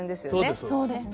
そうですね。